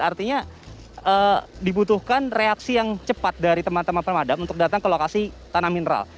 artinya dibutuhkan reaksi yang cepat dari teman teman pemadam untuk datang ke lokasi tanah mineral